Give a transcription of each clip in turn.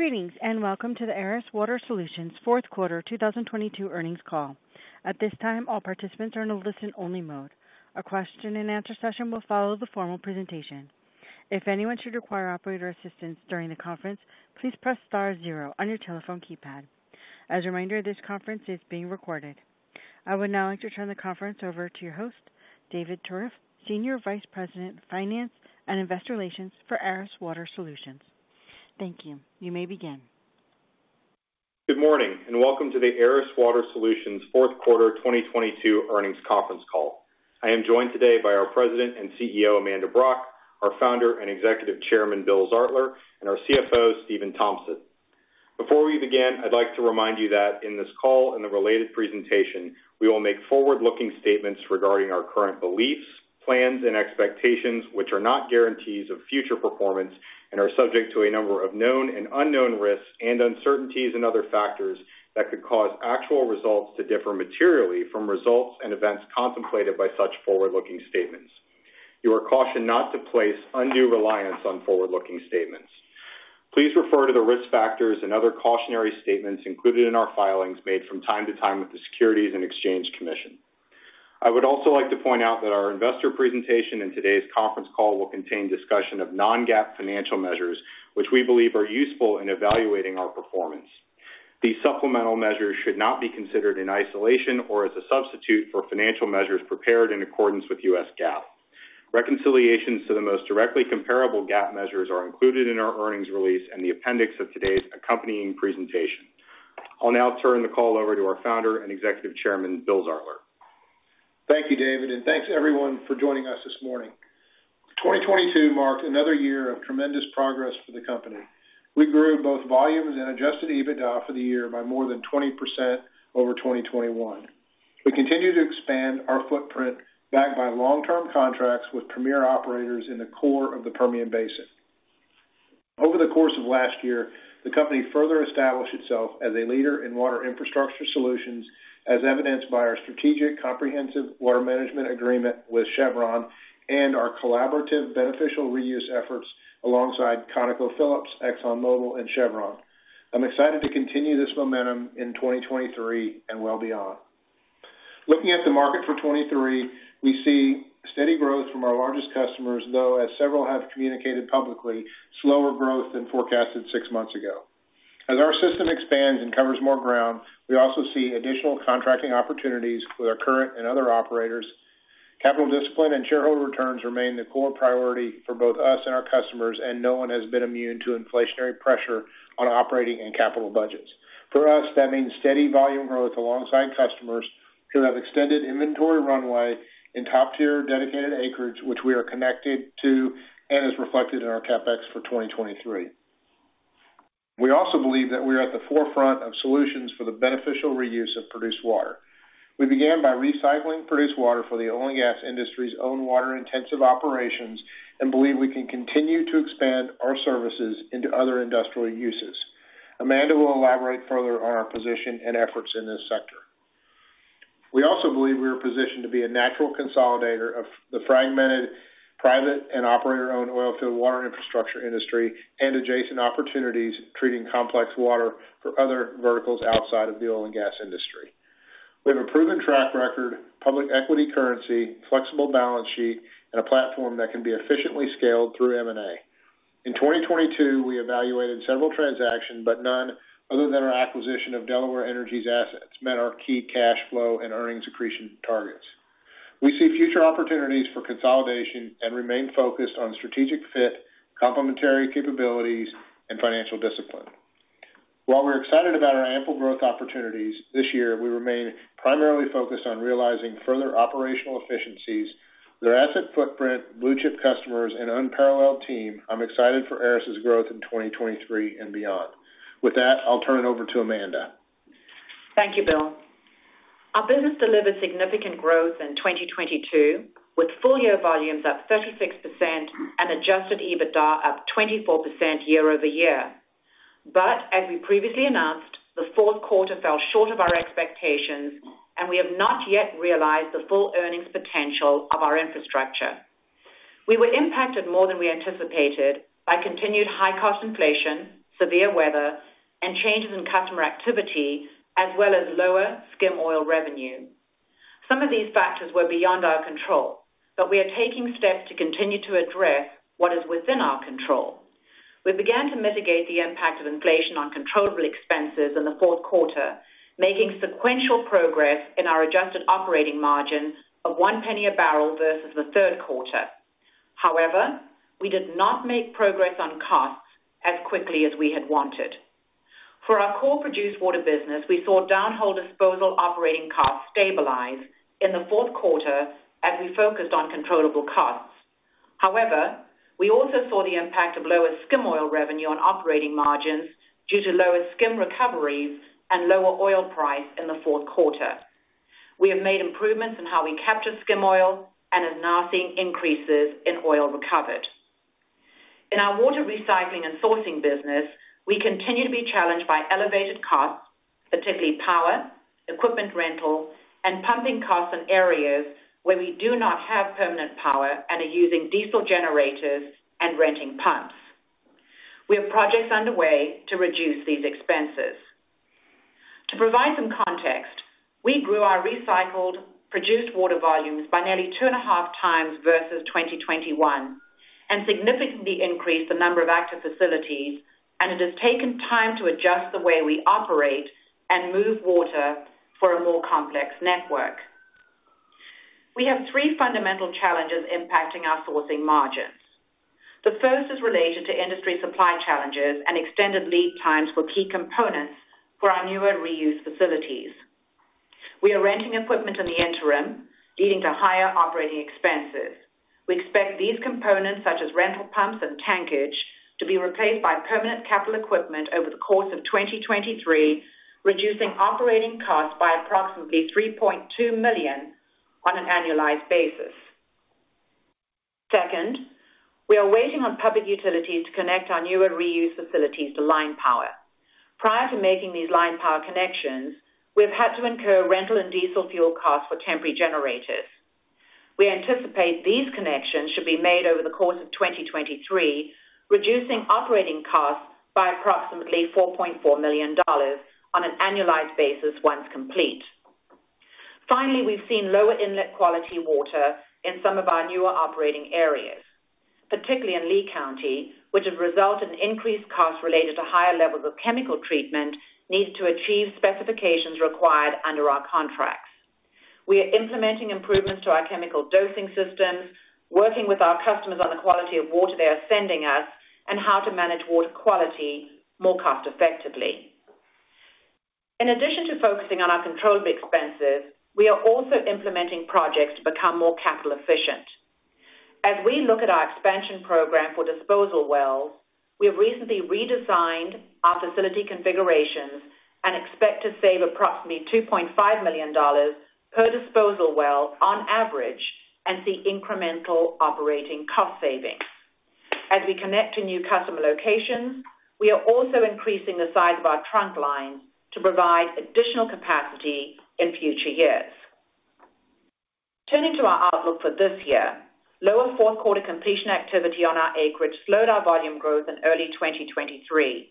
Greetings, welcome to the Aris Water Solutions fourth quarter 2022 earnings call. At this time, all participants are in a listen-only mode. A question and answer session will follow the formal presentation. If anyone should require operator assistance during the conference, please press star 0 on your telephone keypad. As a reminder, this conference is being recorded. I would now like to turn the conference over to your host, David Tuerff, Senior Vice President, Finance and Investor Relations for Aris Water Solutions. Thank you. You may begin. Good morning, and welcome to the Aris Water Solutions 4th quarter 2022 earnings conference call. I am joined today by our President and CEO, Amanda Brock, our Founder and Executive Chairman, Bill Zartler, and our CFO, Stephan Tompsett. Before we begin, I'd like to remind you that in this call and the related presentation, we will make forward-looking statements regarding our current beliefs, plans, and expectations, which are not guarantees of future performance and are subject to a number of known and unknown risks and uncertainties and other factors that could cause actual results to differ materially from results and events contemplated by such forward-looking statements. You are cautioned not to place undue reliance on forward-looking statements. Please refer to the risk factors and other cautionary statements included in our filings made from time to time with the Securities and Exchange Commission. I would also like to point out that our investor presentation and today's conference call will contain discussion of non-GAAP financial measures, which we believe are useful in evaluating our performance. These supplemental measures should not be considered in isolation or as a substitute for financial measures prepared in accordance with US GAAP. Reconciliations to the most directly comparable GAAP measures are included in our earnings release in the appendix of today's accompanying presentation. I'll now turn the call over to our founder and Executive Chairman, Bill Zartler. Thank you, David. Thanks everyone for joining us this morning. 2022 marked another year of tremendous progress for the company. We grew both volumes and adjusted EBITDA for the year by more than 20% over 2021. We continue to expand our footprint backed by long-term contracts with premier operators in the core of the Permian Basin. Over the course of last year, the company further established itself as a leader in water infrastructure solutions, as evidenced by our strategic comprehensive water management agreement with Chevron and our collaborative beneficial reuse efforts alongside ConocoPhillips, ExxonMobil, and Chevron. I'm excited to continue this momentum in 2023 and well beyond. Looking at the market for 2023, we see steady growth from our largest customers, though as several have communicated publicly, slower growth than forecasted six months ago. As our system expands and covers more ground, we also see additional contracting opportunities with our current and other operators. Capital discipline and shareholder returns remain the core priority for both us and our customers. No one has been immune to inflationary pressure on operating and capital budgets. For us, that means steady volume growth alongside customers who have extended inventory runway in top-tier dedicated acreage, which we are connected to and is reflected in our CapEx for 2023. We also believe that we are at the forefront of solutions for the beneficial reuse of produced water. We began by recycling produced water for the oil and gas industry's own water-intensive operations and believe we can continue to expand our services into other industrial uses. Amanda will elaborate further on our position and efforts in this sector. We also believe we are positioned to be a natural consolidator of the fragmented private and operator-owned oil field water infrastructure industry and adjacent opportunities treating complex water for other verticals outside of the oil and gas industry. We have a proven track record, public equity currency, flexible balance sheet, and a platform that can be efficiently scaled through M&A. In 2022, we evaluated several transactions, but none, other than our acquisition of Delaware Energy's assets, met our key cash flow and earnings accretion targets. We see future opportunities for consolidation and remain focused on strategic fit, complementary capabilities, and financial discipline. While we're excited about our ample growth opportunities, this year we remain primarily focused on realizing further operational efficiencies. With our asset footprint, blue-chip customers, and unparalleled team, I'm excited for Aris's growth in 2023 and beyond. With that, I'll turn it over to Amanda. Thank you, Bill. Our business delivered significant growth in 2022, with full year volumes up 36% and adjusted EBITDA up 24% year-over-year. As we previously announced, the fourth quarter fell short of our expectations, and we have not yet realized the full earnings potential of our infrastructure. We were impacted more than we anticipated by continued high-cost inflation, severe weather, and changes in customer activity, as well as lower skim oil revenue. Some of these factors were beyond our control, but we are taking steps to continue to address what is within our control. We began to mitigate the impact of inflation on controllable expenses in the fourth quarter, making sequential progress in our adjusted operating margin of $0.01 a barrel versus the third quarter. However, we did not make progress on costs as quickly as we had wanted. For our core produced water business, we saw downhole disposal operating costs stabilize in the fourth quarter as we focused on controllable costs. We also saw the impact of lower skim oil revenue on operating margins due to lower skim recoveries and lower oil price in the fourth quarter. We have made improvements in how we capture skim oil and are now seeing increases in oil recovered. In our water recycling and sourcing business, we continue to be challenged by elevated costs, particularly power, equipment rental, and pumping costs in areas where we do not have permanent power and are using diesel generators and renting pumps. We have projects underway to reduce these expenses. To provide some context, we grew our recycled produced water volumes by nearly 2.5 times versus 2021, and significantly increased the number of active facilities, and it has taken time to adjust the way we operate and move water for a more complex network. We have three fundamental challenges impacting our sourcing margins. The first is related to industry supply challenges and extended lead times for key components for our newer reuse facilities. We are renting equipment in the interim, leading to higher OPEX. We expect these components, such as rental pumps and tankage, to be replaced by permanent capital equipment over the course of 2023, reducing OPEX by approximately $3.2 million on an annualized basis. Second, we are waiting on public utilities to connect our newer reuse facilities to line power. Prior to making these line power connections, we've had to incur rental and diesel fuel costs for temporary generators. We anticipate these connections should be made over the course of 2023, reducing operating costs by approximately $4.4 million on an annualized basis once complete. We've seen lower inlet quality water in some of our newer operating areas, particularly in Lee County, which has resulted in increased costs related to higher levels of chemical treatment needed to achieve specifications required under our contracts. We are implementing improvements to our chemical dosing systems, working with our customers on the quality of water they are sending us, and how to manage water quality more cost effectively. In addition to focusing on our controllable expenses, we are also implementing projects to become more capital efficient. As we look at our expansion program for disposal wells, we have recently redesigned our facility configurations and expect to save approximately $2.5 million per disposal well on average and see incremental operating cost savings. As we connect to new customer locations, we are also increasing the size of our trunk lines to provide additional capacity in future years. Turning to our outlook for this year. Lower fourth quarter completion activity on our acreage slowed our volume growth in early 2023,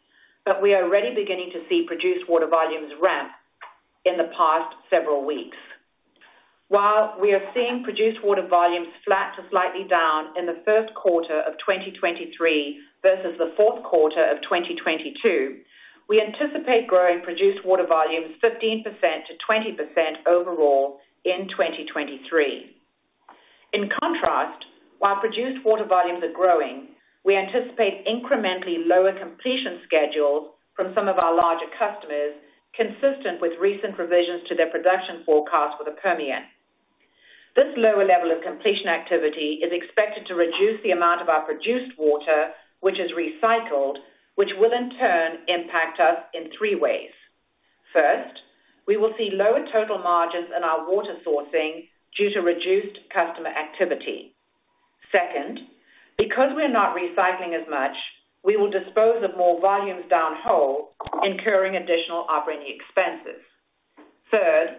we are already beginning to see produced water volumes ramp in the past several weeks. While we are seeing produced water volumes flat to slightly down in the first quarter of 2023 versus the fourth quarter of 2022, we anticipate growing produced water volumes 15%-20% overall in 2023. In contrast, while produced water volumes are growing, we anticipate incrementally lower completion schedules from some of our larger customers, consistent with recent revisions to their production forecast for the Permian. This lower level of completion activity is expected to reduce the amount of our produced water which is recycled, which will in turn impact us in three ways. First, we will see lower total margins in our water sourcing due to reduced customer activity. Second, because we are not recycling as much, we will dispose of more volumes down hole, incurring additional operating expenses. Third,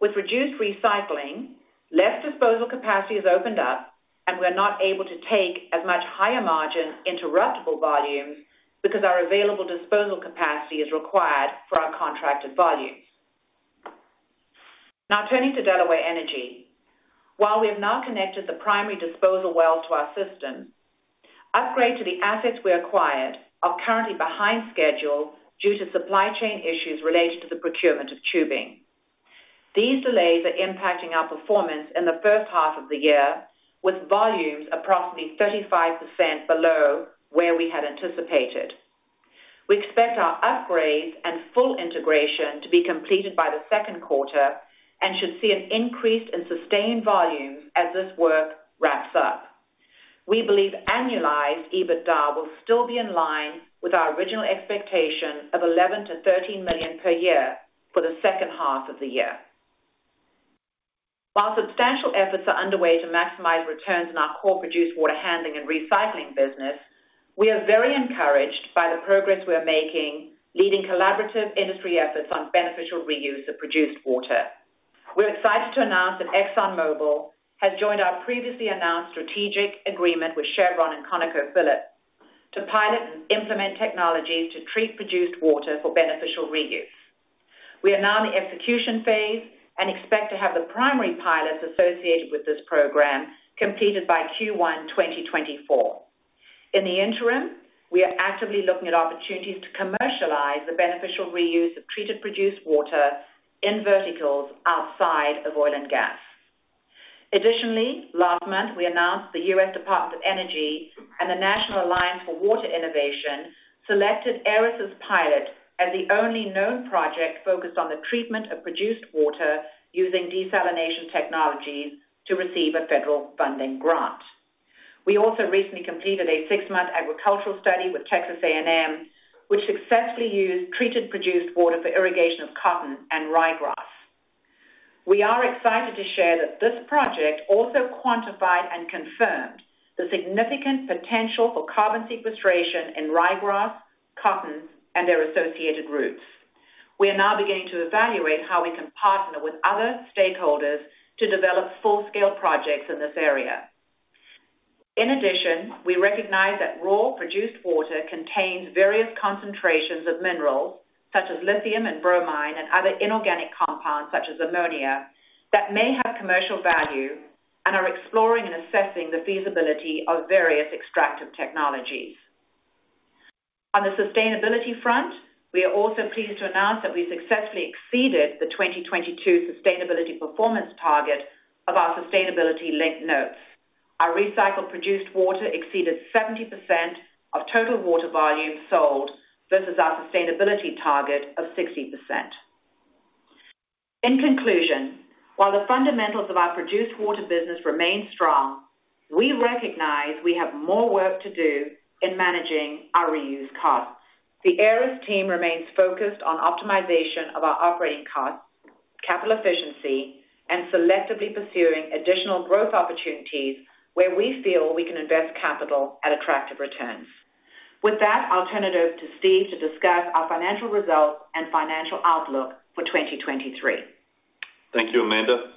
with reduced recycling, less disposal capacity is opened up, and we're not able to take as much higher margin interruptible volumes because our available disposal capacity is required for our contracted volumes. Now turning to Delaware Energy. While we have now connected the primary disposal well to our system, upgrade to the assets we acquired are currently behind schedule due to supply chain issues related to the procurement of tubing. These delays are impacting our performance in the first half of the year with volumes approximately 35% below where we had anticipated. We expect our upgrades and full integration to be completed by the second quarter and should see an increase in sustained volumes as this work wraps up. We believe annualized EBITDA will still be in line with our original expectation of $11 million-$13 million per year for the second half of the year. While substantial efforts are underway to maximize returns in our core produced water handling and recycling business, we are very encouraged by the progress we are making leading collaborative industry efforts on beneficial reuse of produced water. We're excited to announce that ExxonMobil has joined our previously announced strategic agreement with Chevron and ConocoPhillips to pilot and implement technologies to treat produced water for beneficial reuse. We are now in the execution phase and expect to have the primary pilots associated with this program completed by Q1 2024. In the interim, we are actively looking at opportunities to commercialize the beneficial reuse of treated produced water in verticals outside of oil and gas. Additionally, last month we announced the U.S. Department of Energy and the National Alliance for Water Innovation selected Aris' pilot as the only known project focused on the treatment of produced water using desalination technologies to receive a federal funding grant. We also recently completed a six-month agricultural study with Texas A&M University, which successfully used treated produced water for irrigation of cotton and ryegrass. We are excited to share that this project also quantified and confirmed the significant potential for carbon sequestration in ryegrass, cotton, and their associated roots. We are now beginning to evaluate how we can partner with other stakeholders to develop full-scale projects in this area. In addition, we recognize that raw produced water contains various concentrations of minerals such as lithium and bromine and other inorganic compounds such as ammonia that may have commercial value and are exploring and assessing the feasibility of various extractive technologies. On the sustainability front, we are also pleased to announce that we successfully exceeded the 2022 sustainability performance target of our sustainability-linked notes. Our recycled produced water exceeded 70% of total water volume sold versus our sustainability target of 60%. In conclusion, while the fundamentals of our produced water business remain strong, we recognize we have more work to do in managing our reuse costs. The Aris team remains focused on optimization of our operating costs, capital efficiency, and selectively pursuing additional growth opportunities where we feel we can invest capital at attractive returns. With that, I'll turn it over to Steve to discuss our financial results and financial outlook for 2023. Thank you, Amanda.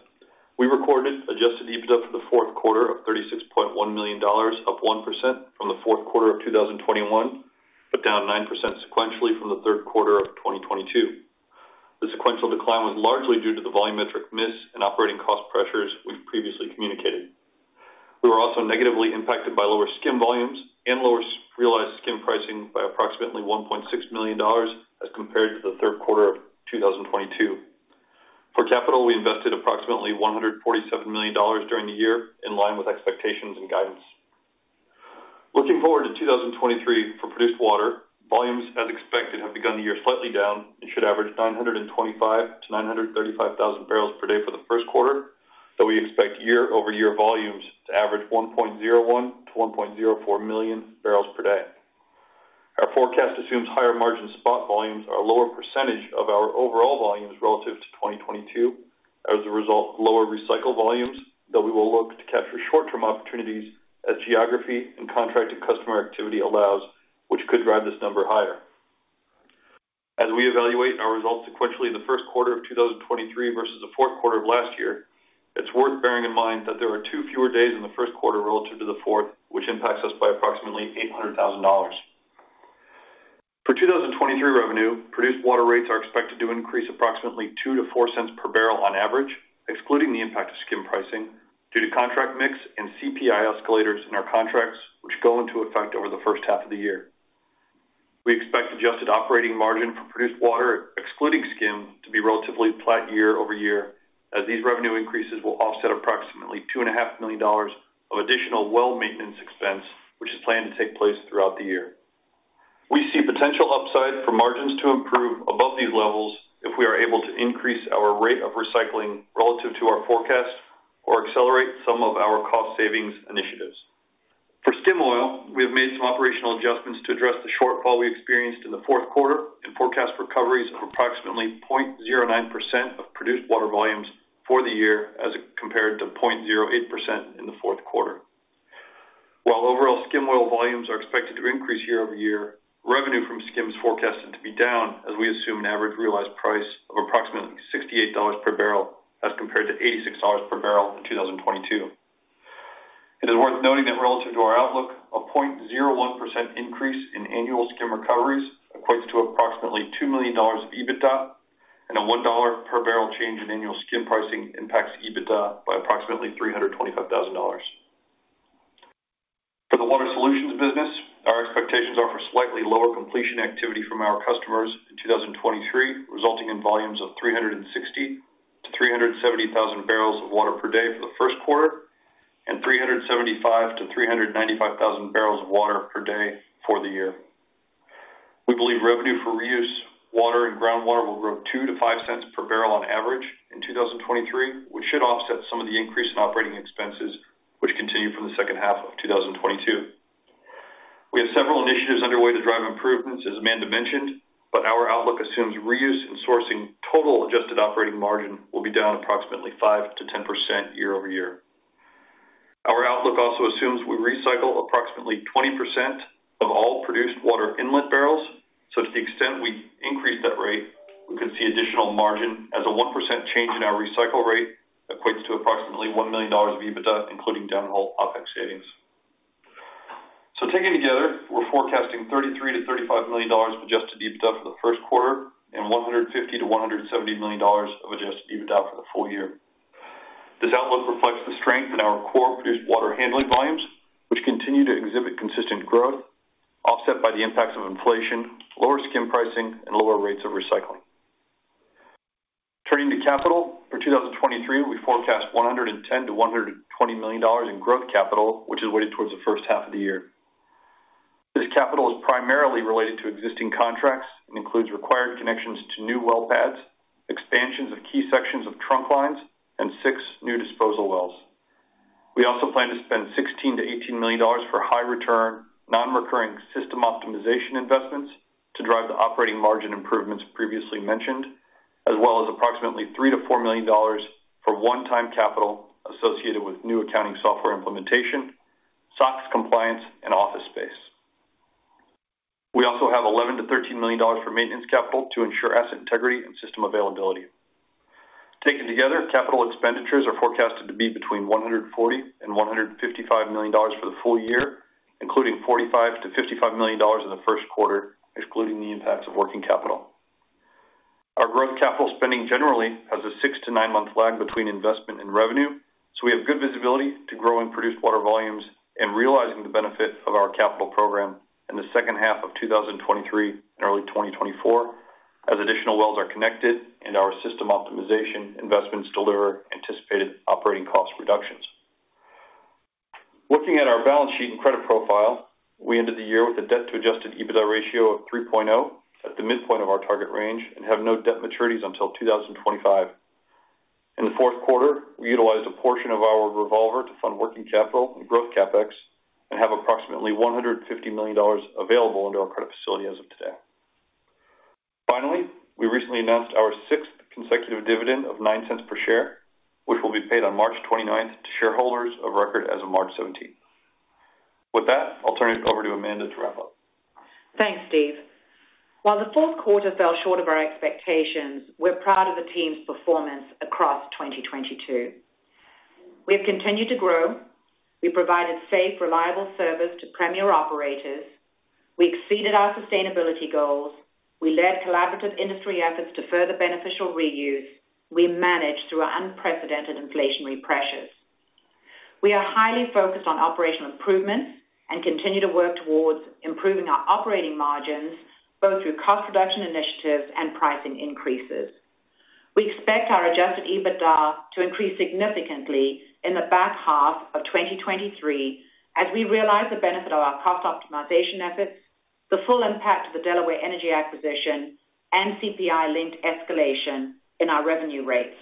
We recorded adjusted EBITDA for the fourth quarter of $36.1 million, up 1% from the fourth quarter of 2021, down 9% sequentially from the third quarter of 2022. The sequential decline was largely due to the volumetric miss and operating cost pressures we've previously communicated. We were also negatively impacted by lower skim volumes and lower realized skim pricing by approximately $1.6 million as compared to the third quarter of 2022. For capital, we invested approximately $147 million during the year in line with expectations and guidance. Looking forward to 2023 for produced water, volumes as expected have begun the year slightly down and should average 925,000-935,000 barrels per day for the first quarter, so we expect year-over-year volumes to average 1.01 million-1.04 million barrels per day. Our forecast assumes higher margin spot volumes are a lower percentage of our overall volumes relative to 2022 as a result of lower recycled volumes, though we will look to capture short-term opportunities as geography and contracted customer activity allows, which could drive this number higher. As we evaluate our results sequentially in the first quarter of 2023 versus the fourth quarter of last year, it's worth bearing in mind that there are two fewer days in the first quarter relative to the fourth, which impacts us by approximately $800,000. For 2023 revenue, produced water rates are expected to increase approximately $0.02-$0.04 per barrel on average, excluding the impact of skim pricing due to contract mix and CPI escalators in our contracts, which go into effect over the first half of the year. We expect adjusted operating margin for produced water, excluding skim, to be relatively flat year-over-year, as these revenue increases will offset approximately two and a half million dollars of additional well maintenance expense, which is planned to take place throughout the year. We see potential upside for margins to improve above these levels if we are able to increase our rate of recycling relative to our forecast or accelerate some of our cost savings initiatives. For skim oil, we have made some operational adjustments to address the shortfall we experienced in the fourth quarter and forecast recoveries of approximately 0.09% of produced water volumes for the year as compared to 0.08% in the fourth quarter. While overall skim oil volumes are expected to increase year-over-year, revenue from skim is forecasted to be down as we assume an average realized price of approximately $68 per barrel as compared to $86 per barrel in 2022. It is worth noting that relative to our outlook, a 0.01% increase in annual skim recoveries equates to approximately $2 million of EBITDA, and a $1 per barrel change in annual skim pricing impacts EBITDA by approximately $325,000. For the water solutions business, our expectations are for slightly lower completion activity from our customers in 2023, resulting in volumes of 360,000-370,000 barrels of water per day for the first quarter and 375,000-395,000 barrels of water per day for the year. We believe revenue for reuse water and groundwater will grow $0.02-$0.05 per barrel on average in 2023, which should offset some of the increase in operating expenses, which continue from the second half of 2022. We have several initiatives underway to drive improvements, as Amanda mentioned, but our outlook assumes reuse and sourcing total adjusted operating margin will be down approximately 5%-10% year-over-year. Our outlook also assumes we recycle approximately 20% of all produced water inlet barrels, so to the extent we increase that rate, we could see additional margin as a 1% change in our recycle rate equates to approximately $1 million of EBITDA, including downhole OPEX savings. Taken together, we're forecasting $33 million-$35 million of adjusted EBITDA for the first quarter and $150 million-$170 million of adjusted EBITDA for the full year. This outlook reflects the strength in our core produced water handling volumes, which continue to exhibit consistent growth offset by the impacts of inflation, lower skim pricing, and lower rates of recycling. Turning to capital, for 2023, we forecast $110 million-$120 million in growth capital, which is weighted towards the first half of the year. This capital is primarily related to existing contracts and includes required connections to new well pads, expansions of key sections of trunk lines, and 6 new disposal wells. We also plan to spend $16 million-$18 million for high return, non-recurring system optimization investments to drive the operating margin improvements previously mentioned, as well as approximately $3 million-$4 million for one-time capital associated with new accounting software implementation, SOX compliance, and office space. We also have $11 million-$13 million for maintenance capital to ensure asset integrity and system availability. Taken together, capital expenditures are forecasted to be between $140 million and $155 million for the full year, including $45 million-$55 million in the first quarter, excluding the impacts of working capital. Our growth capital spending generally has a 6-9 month lag between investment and revenue, we have good visibility to grow and produce water volumes and realizing the benefit of our capital program in the second half of 2023 and early 2024 as additional wells are connected and our system optimization investments deliver anticipated operating cost reductions. Looking at our balance sheet and credit profile, we ended the year with a debt to adjusted EBITDA ratio of 3.0, at the midpoint of our target range and have no debt maturities until 2025. In the fourth quarter, we utilized a portion of our revolver to fund working capital and growth CapEx and have approximately $150 million available under our credit facility as of today. Finally, we recently announced our sixth consecutive dividend of $0.09 per share, which will be paid on March 29th to shareholders of record as of March 17th. With that, I'll turn it over to Amanda to wrap up. Thanks, Steve. While the fourth quarter fell short of our expectations, we're proud of the team's performance across 2022. We've continued to grow, we provided safe, reliable service to premier operators, we exceeded our sustainability goals, we led collaborative industry efforts to further beneficial reuse, we managed through unprecedented inflationary pressures. We are highly focused on operational improvements and continue to work towards improving our operating margins, both through cost reduction initiatives and pricing increases. We expect our adjusted EBITDA to increase significantly in the back half of 2023 as we realize the benefit of our cost optimization efforts, the full impact of the Delaware Energy acquisition, and CPI-linked escalation in our revenue rates.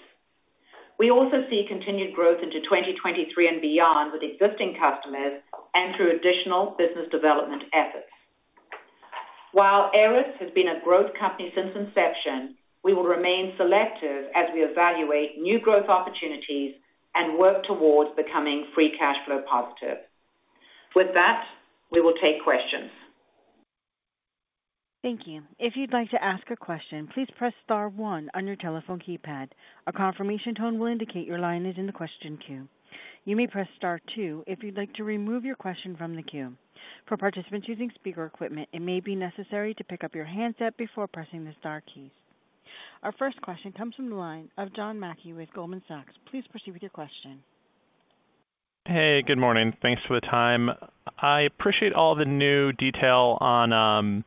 We also see continued growth into 2023 and beyond with existing customers and through additional business development efforts. While Aris has been a growth company since inception, we will remain selective as we evaluate new growth opportunities and work towards becoming free cash flow positive. With that, we will take questions. Thank you. If you'd like to ask a question, please press star one on your telephone keypad. A confirmation tone will indicate your line is in the question queue. You may press star two if you'd like to remove your question from the queue. For participants using speaker equipment, it may be necessary to pick up your handset before pressing the star keys. Our first question comes from the line of John Mackay with Goldman Sachs. Please proceed with your question. Hey, good morning. Thanks for the time. I appreciate all the new detail on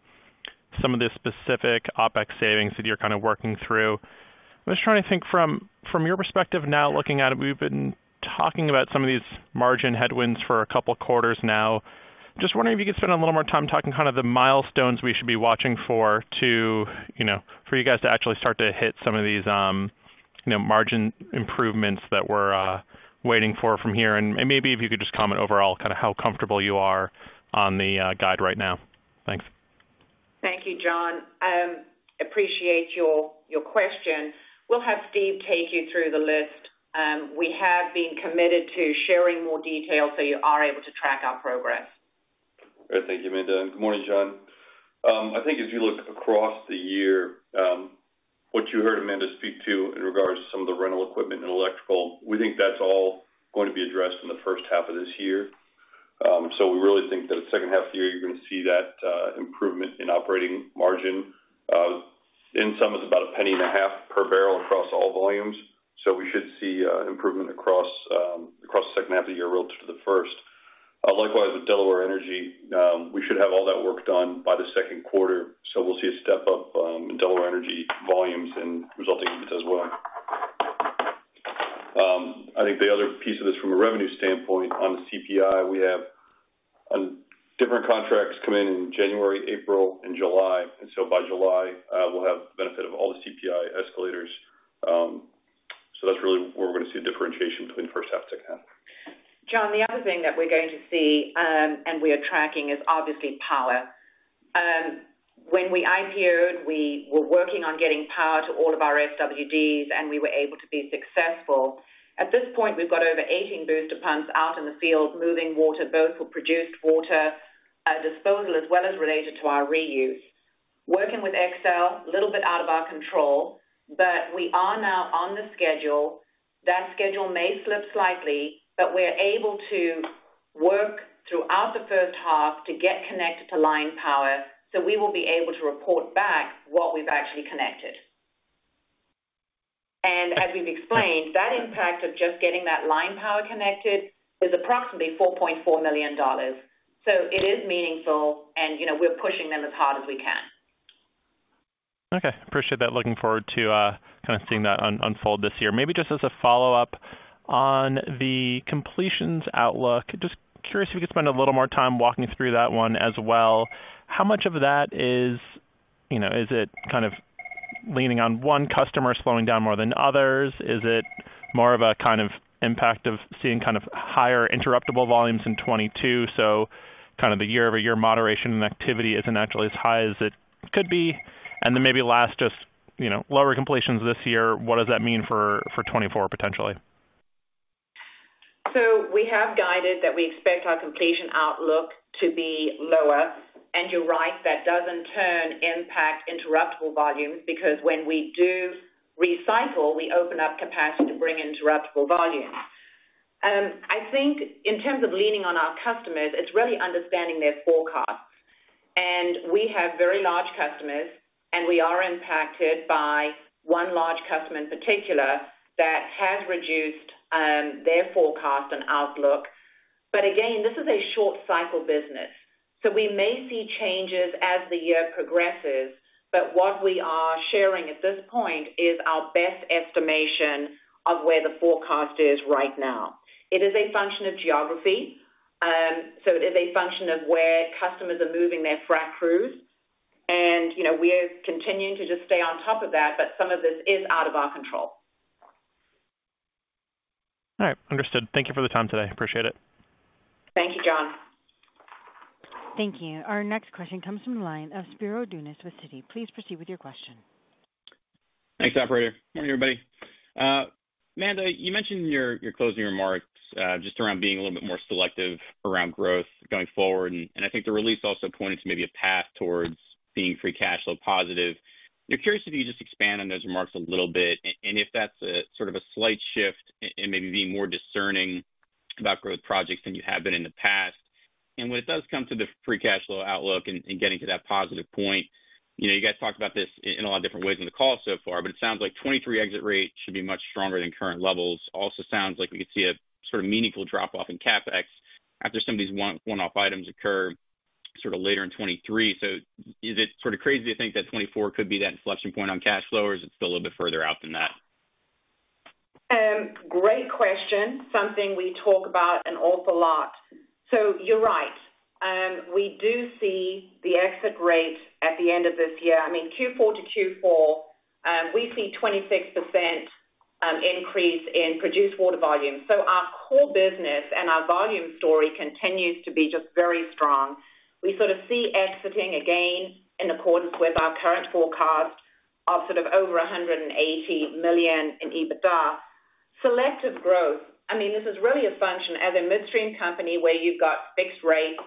some of the specific OPEX savings that you're kinda working through. I'm just trying to think from your perspective now looking at it. We've been talking about some of these margin headwinds for a couple of quarters now. Just wondering if you could spend a little more time talking kind of the milestones we should be watching for to, you know, for you guys to actually start to hit some of these, you know, margin improvements that we're waiting for from here. Maybe if you could just comment overall kinda how comfortable you are on the guide right now. Thanks. Thank you, John. Appreciate your question. We'll have Steve take you through the list. We have been committed to sharing more details, so you are able to track our progress. All right. Thank you, Amanda. Good morning, John. I think if you look across the year, what you heard Amanda speak to in regards to some of the rental equipment and electrical, we think that's all going to be addressed in the first half of this year. We really think that the second half of the year, you're gonna see that improvement in operating margin, in sum of about a $0.015 per barrel across all volumes. We should see an improvement across the second half of the year relative to the first. Likewise with Delaware Energy, we should have all that work done by the second quarter, so we'll see a step up in Delaware Energy volumes and resulting units as well. I think the other piece of this from a revenue standpoint on the CPI, we have different contracts come in in January, April, and July. By July, we'll have benefit of all the CPI escalators. That's really where we're gonna see a differentiation between first half, second half. John, the other thing that we're going to see, and we are tracking is obviously power. When we IPO'd, we were working on getting power to all of our SWDs, and we were able to be successful. At this point, we've got over 18 booster pumps out in the field moving water, both for produced water, disposal, as well as related to our reuse. Working with Xcel, a little bit out of our control, but we are now on the schedule. That schedule may slip slightly, but we're able to work throughout the first half to get connected to line power, so we will be able to report back what we've actually connected. As we've explained, that impact of just getting that line power connected is approximately $4.4 million. it is meaningful and, you know, we're pushing them as hard as we can. Okay. Appreciate that. Looking forward to, kinda seeing that unfold this year. Maybe just as a follow-up on the completions outlook, just curious if you could spend a little more time walking through that one as well. How much of that is, you know, is it kind of? Leaning on one customer slowing down more than others. Is it more of a kind of impact of seeing kind of higher interruptible volumes in 2022? Kind of the year-over-year moderation and activity isn't naturally as high as it could be. Then maybe last, just, you know, lower completions this year. What does that mean for 2024 potentially? We have guided that we expect our completion outlook to be lower. You're right, that doesn't turn impact interruptible volumes, because when we do recycle, we open up capacity to bring interruptible volumes. I think in terms of leaning on our customers, it's really understanding their forecasts. We have very large customers, and we are impacted by one large customer in particular that has reduced their forecast and outlook. Again, this is a short cycle business, so we may see changes as the year progresses, but what we are sharing at this point is our best estimation of where the forecast is right now. It is a function of geography. It is a function of where customers are moving their frac crews. you know, we're continuing to just stay on top of that, but some of this is out of our control. All right. Understood. Thank you for the time today. Appreciate it. Thank you, John. Thank you. Our next question comes from the line of Spiro Dounis with Citi. Please proceed with your question. Thanks, operator. Morning, everybody. Amanda, you mentioned in your closing remarks, just around being a little bit more selective around growth going forward. I think the release also pointed to maybe a path towards being free cash flow positive. I'm curious if you just expand on those remarks a little bit and if that's a sort of a slight shift in maybe being more discerning about growth projects than you have been in the past? When it does come to the free cash flow outlook and getting to that positive point, you know, you guys talked about this in a lot of different ways on the call so far, but it sounds like 2023 exit rate should be much stronger than current levels. Also sounds like we could see a sort of meaningful drop off in CapEx after some of these one-off items occur sort of later in 2023. Is it sort of crazy to think that 2024 could be that inflection point on cash flow, or is it still a little bit further out than that? Great question. Something we talk about an awful lot. You're right. We do see the exit rate at the end of this year. I mean, Q4 to 2024, we see 26% increase in produced water volume. Our core business and our volume story continues to be just very strong. We sort of see exiting again in accordance with our current forecast of sort of over $180 million in EBITDA. Selective growth, I mean, this is really a function as a midstream company where you've got fixed rates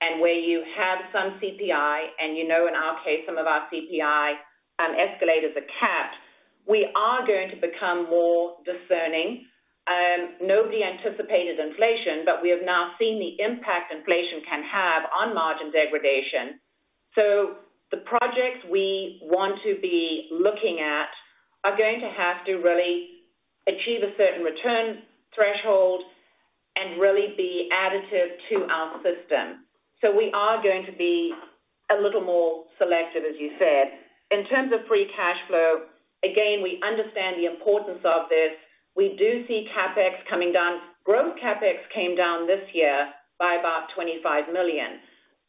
and where you have some CPI and you know, in our case, some of our CPI escalators are capped. We are going to become more discerning. Nobody anticipated inflation, but we have now seen the impact inflation can have on margin degradation. The projects we want to be looking at are going to have to really achieve a certain return threshold and really be additive to our system. We are going to be a little more selective, as you said. In terms of free cash flow, again, we understand the importance of this. We do see CapEx coming down. Growth CapEx came down this year by about $25 million.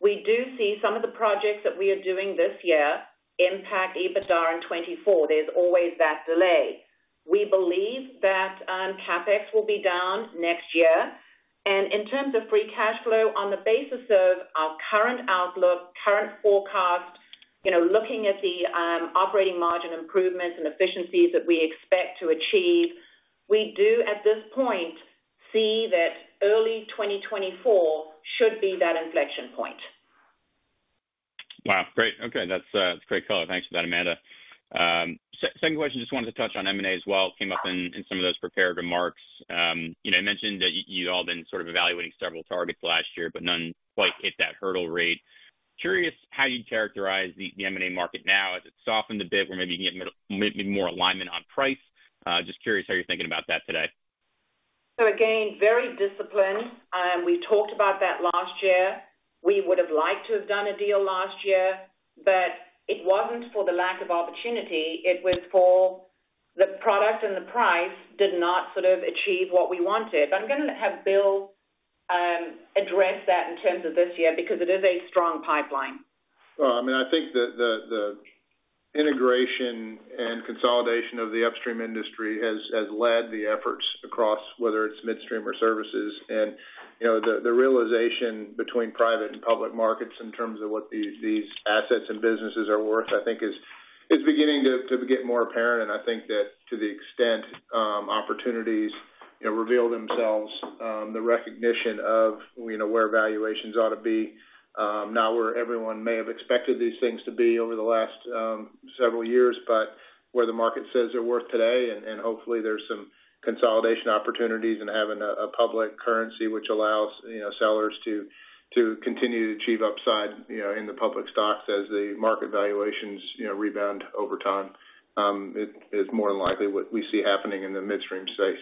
We do see some of the projects that we are doing this year impact EBITDA in 2024. There's always that delay. We believe that CapEx will be down next year. In terms of free cash flow, on the basis of our current outlook, current forecast, you know, looking at the operating margin improvements and efficiencies that we expect to achieve, we do at this point see that early 2024 should be that inflection point. Wow, great. Okay. That's, that's great color. Thanks for that, Amanda. Second question, just wanted to touch on M&A as well. It came up in some of those prepared remarks. You know, you mentioned that you all have been sort of evaluating several targets last year, but none quite hit that hurdle rate. Curious how you'd characterize the M&A market now as it softened a bit where maybe you can get maybe more alignment on price. Just curious how you're thinking about that today. Again, very disciplined. We talked about that last year. We would've liked to have done a deal last year. It wasn't for the lack of opportunity. It was for the product and the price did not sort of achieve what we wanted. I'm gonna have Bill address that in terms of this year because it is a strong pipeline. Well, I mean, I think the integration and consolidation of the upstream industry has led the efforts across whether it's midstream or services. You know, the realization between private and public markets in terms of what these assets and businesses are worth, I think is beginning to get more apparent. I think that to the extent opportunities, you know, reveal themselves, the recognition of, you know, where valuations ought to be, not where everyone may have expected these things to be over the last several years, but where the market says they're worth today. Hopefully there's some consolidation opportunities in having a public currency which allows, you know, sellers to continue to achieve upside, you know, in the public stocks as the market valuations, you know, rebound over time, is more than likely what we see happening in the midstream space.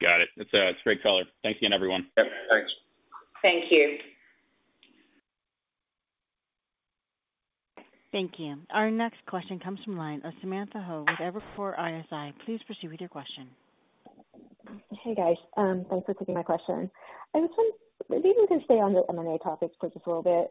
Got it. That's great color. Thanks again, everyone. Yep. Thanks. Thank you. Thank you. Our next question comes from line of Samantha Ho with Evercore ISI. Please proceed with your question. Hey, guys. Thanks for taking my question. Maybe we can stay on the M&A topics just a little bit.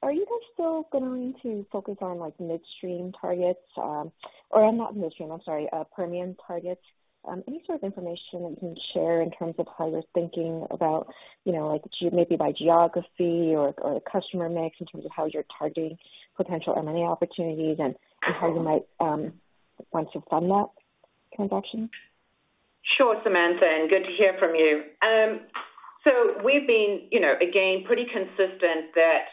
Are you guys still going to focus on, like, midstream targets, or, not midstream, I'm sorry, Permian targets? Any sort of information you can share in terms of how you're thinking about, you know, like maybe by geography or customer mix in terms of how you're targeting potential M&A opportunities and how you might want to fund that transaction? Sure, Samantha, good to hear from you. We've been, you know, again, pretty consistent that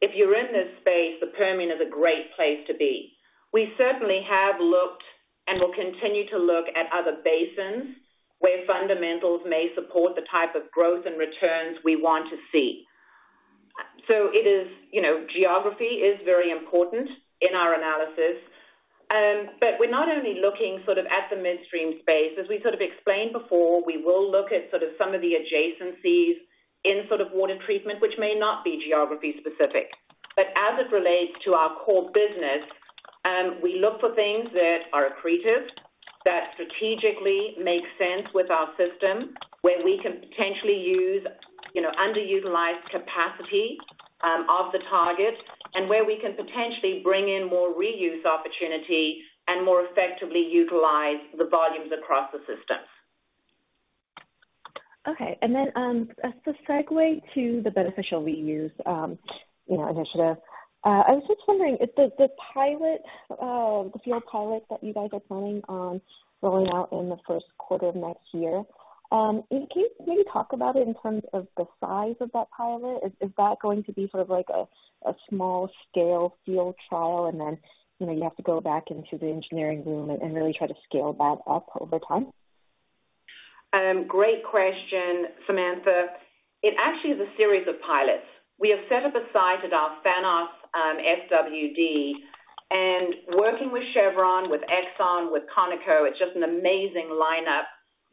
if you're in this space, the Permian is a great place to be. We certainly have looked and will continue to look at other basins where fundamentals may support the type of growth and returns we want to see. It is, you know, geography is very important in our analysis. We're not only looking sort of at the midstream space. As we sort of explained before, we will look at sort of some of the adjacencies in sort of water treatment, which may not be geography specific. As it relates to our core business, we look for things that are accretive, that strategically make sense with our system, where we can potentially use, you know, underutilized capacity of the target and where we can potentially bring in more reuse opportunity and more effectively utilize the volumes across the systems. Okay. As the segue to the beneficial reuse, you know, initiative, I was just wondering if the pilot, the field pilot that you guys are planning on rolling out in the first quarter of next year, can you maybe talk about it in terms of the size of that pilot? Is that going to be sort of like a small scale field trial and then, you know, you have to go back into the engineering room and really try to scale that up over time? Great question, Samantha. It actually is a series of pilots. We have set up a site at our Xanadu SWD. Working with Chevron, with ExxonMobil, with Conoco, it's just an amazing lineup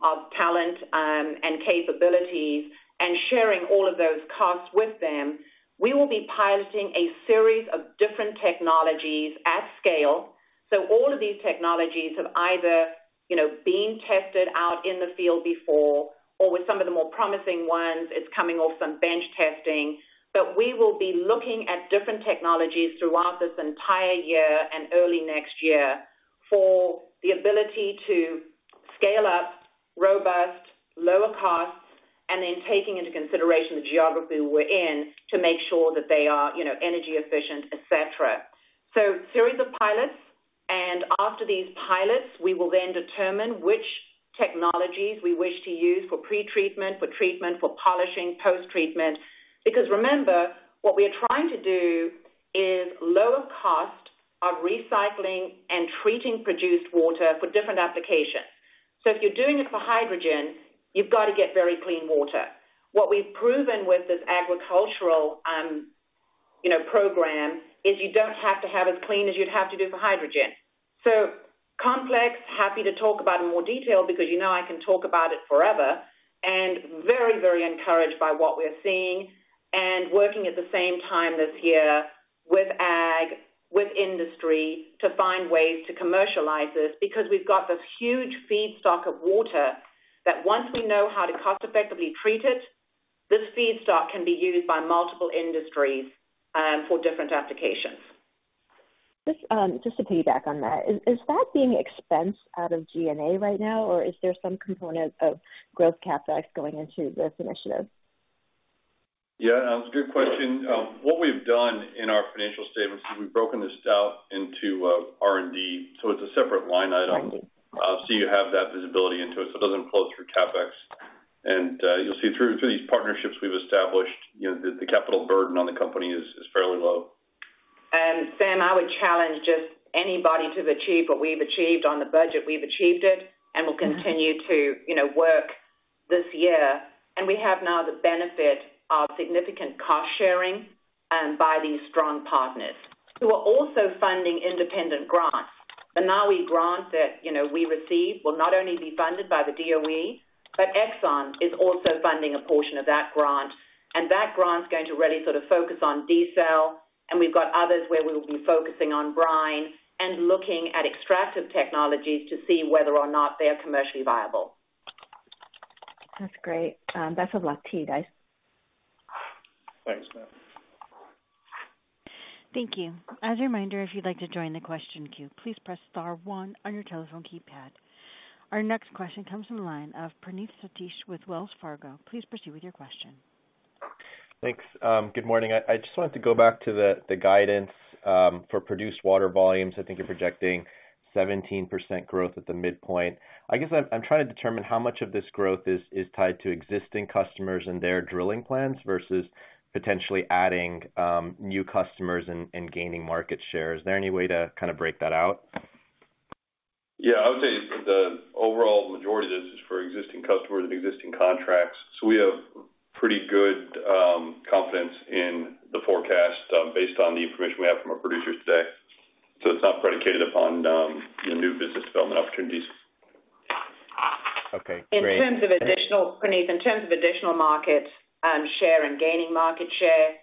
of talent and capabilities and sharing all of those costs with them. We will be piloting a series of different technologies at scale. All of these technologies have either, you know, been tested out in the field before, or with some of the more promising ones, it's coming off some bench testing. We will be looking at different technologies throughout this entire year and early next year for the ability to scale up robust, lower costs, and then taking into consideration the geography we're in to make sure that they are, you know, energy efficient, etc. Series of pilots, and after these pilots, we will then determine which technologies we wish to use for pretreatment, for treatment, for polishing, post-treatment. Remember, what we are trying to do is lower cost of recycling and treating produced water for different applications. If you're doing it for hydrogen, you've got to get very clean water. What we've proven with this agricultural, you know, program is you don't have to have as clean as you'd have to do for hydrogen. Complex, happy to talk about in more detail because you know I can talk about it forever and very, very encouraged by what we're seeing and working at the same time this year with ag, with industry to find ways to commercialize this because we've got this huge feedstock of water that once we know how to cost effectively treat it, this feedstock can be used by multiple industries for different applications. Just to piggyback on that, is that being expensed out of G&A right now, or is there some component of growth CapEx going into this initiative? Yeah, it's a good question. What we've done in our financial statements is we've broken this out into R&D, so it's a separate line item. Right. You have that visibility into it, so it doesn't flow through CapEx. You'll see through these partnerships we've established, you know, the capital burden on the company is fairly low. Sam, I would challenge just anybody to achieve what we've achieved on the budget. We've achieved it and will continue to, you know, work this year. We have now the benefit of significant cost sharing by these strong partners who are also funding independent grants. The NAWI grant that, you know, we received will not only be funded by the DOE, but ExxonMobil is also funding a portion of that grant. That grant is going to really sort of focus on diesel. We've got others where we will be focusing on brine and looking at extractive technologies to see whether or not they are commercially viable. That's great. Best of luck to you guys. Thanks, Sam. Thank you. As a reminder, if you'd like to join the question queue, please press star one on your telephone keypad. Our next question comes from the line of Praneeth Satish with Wells Fargo. Please proceed with your question. Thanks. Good morning. I just wanted to go back to the guidance for produced water volumes. I think you're projecting 17% growth at the midpoint. I guess I'm trying to determine how much of this growth is tied to existing customers and their drilling plans versus potentially adding new customers and gaining market share. Is there any way to kind of break that out? Yeah, I would say the overall majority of this is for existing customers and existing contracts. We have pretty good confidence in the forecast, based on the information we have from our producers today. It's not predicated upon, you know, new business development opportunities. Okay, great. In terms of additional market, Praneeth, in terms of additional market share and gaining market share,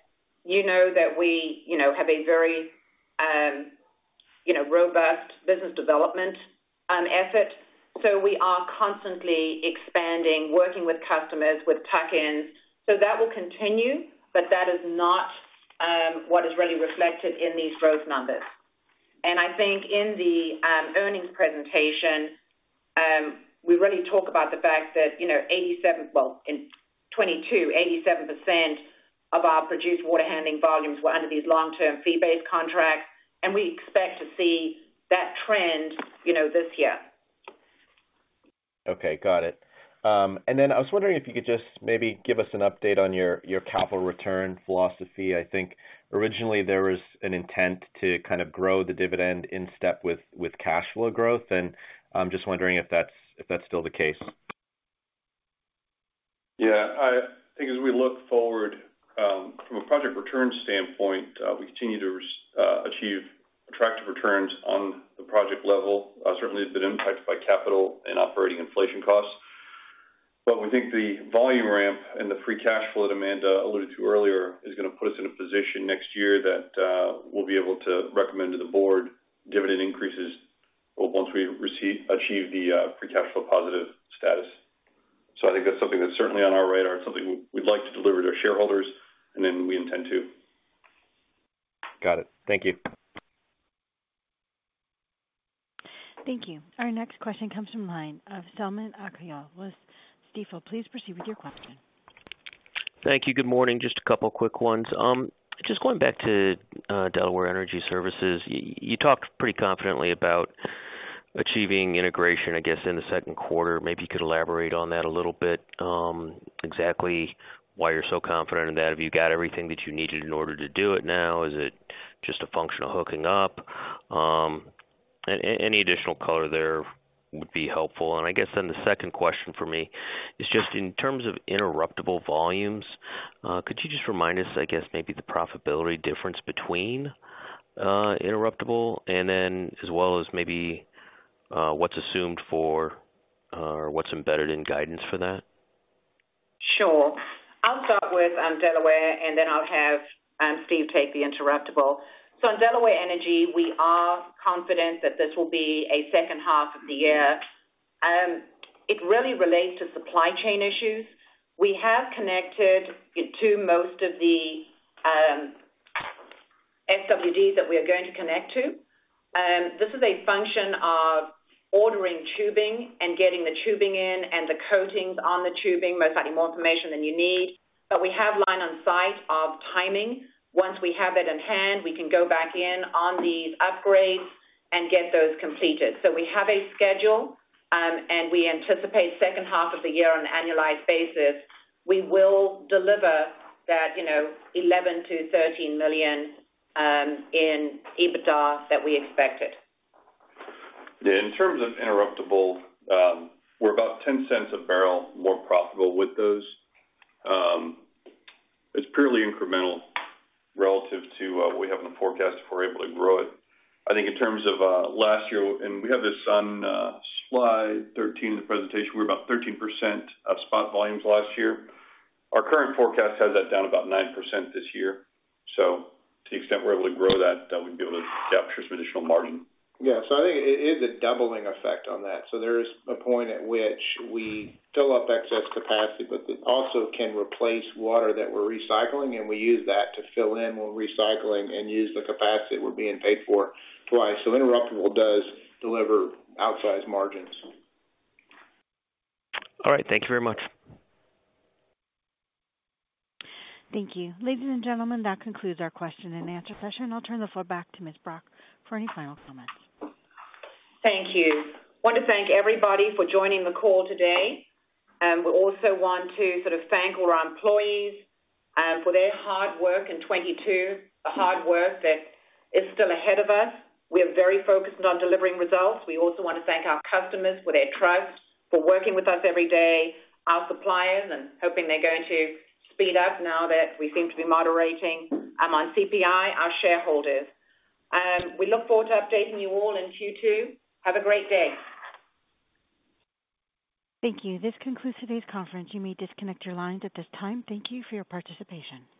you know that we, you know, have a very robust business development effort. We are constantly expanding, working with customers with tuck-ins. That will continue, but that is not what is really reflected in these growth numbers. I think in the earnings presentation, we really talk about the fact that, you know, 87 well, in 2022, 87% of our produced water handling volumes were under these long-term fee-based contracts, and we expect to see that trend, you know, this year. Okay, got it. I was wondering if you could just maybe give us an update on your capital return philosophy. I think originally there was an intent to kind of grow the dividend in step with cash flow growth. I'm just wondering if that's still the case. Yeah. I think as we look forward, from a project return standpoint, we continue to achieve attractive returns on the project level. Certainly it's been impacted by capital and operating inflation costs. We think the volume ramp and the free cash flow that Amanda alluded to earlier is gonna put us in a position next year that we'll be able to recommend to the board dividend increases well, once we achieve the free cash flow positive status. I think that's something that's certainly on our radar, and something we'd like to deliver to our shareholders, and then we intend to. Got it. Thank you. Thank you. Our next question comes from line of Selman Akyol with Stifel. Please proceed with your question. Thank you. Good morning. Just a couple quick ones. Just going back to Delaware Energy Services, you talked pretty confidently about achieving integration, I guess, in the second quarter. Maybe you could elaborate on that a little bit, exactly why you're so confident in that. Have you got everything that you needed in order to do it now? Is it just a function of hooking up? Any additional color there would be helpful. I guess then the second question for me is just in terms of interruptible volumes, could you just remind us, I guess, maybe the profitability difference between interruptible and then as well as maybe what's assumed for or what's embedded in guidance for that? Sure. I'll start with Delaware. Then I'll have Steve take the interruptible. In Delaware Energy, we are confident that this will be a second half of the year. It really relates to supply chain issues. We have connected to most of the SWDs that we are going to connect to. This is a function of ordering tubing and getting the tubing in and the coatings on the tubing. Most likely more information than you need, but we have line on site of timing. Once we have it in hand, we can go back in on these upgrades and get those completed. We have a schedule, and we anticipate second half of the year on an annualized basis, we will deliver that $11 million-$13 million in EBITDA that we expected. In terms of interruptible, we're about $0.10 a barrel more profitable with those. It's purely incremental relative to what we have in the forecast if we're able to grow it. I think in terms of last year, and we have this on slide 13 of the presentation, we were about 13% of spot volumes last year. Our current forecast has that down about 9% this year. To the extent we're able to grow that would be able to capture some additional margin. Yeah. I think it is a doubling effect on that. There is a point at which we fill up excess capacity, but it also can replace water that we're recycling, and we use that to fill in when recycling and use the capacity we're being paid for twice. Interruptible does deliver outsized margins. All right. Thank Thank you very much. Thank you. Ladies and gentlemen, that concludes our question and answer session. I'll turn the floor back to Ms. Brock for any final comments. Thank you. Want to thank everybody for joining the call today. We also want to sort of thank all our employees for their hard work in 22, the hard work that is still ahead of us. We are very focused on delivering results. We also wanna thank our customers for their trust, for working with us every day, our suppliers, and hoping they're going to speed up now that we seem to be moderating on CPI, our shareholders. We look forward to updating you all in Q2. Have a great day. Thank you. This concludes today's conference. You may disconnect your lines at this time. Thank you for your participation.